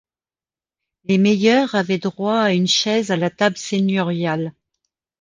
Les meilleurs avaient droit à une chaise à la table seigneuriale.